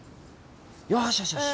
よしよしよし。